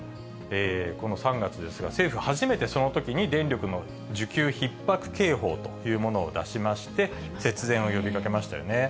この３月ですが、政府、初めてそのときに電力の需給ひっ迫警報というものを出しまして、節電を呼びかけましたよね。